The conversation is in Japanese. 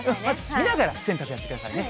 見ながら洗濯やってくださいね。